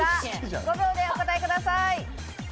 ５秒でお答えください。